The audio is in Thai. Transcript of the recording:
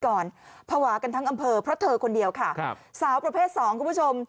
ก่อนภาวะกันทั้งอำเภอเพราะเธอคนเดียวค่ะครับสาวประเภทสองคุณผู้ชม